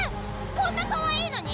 こんなかわいいのに？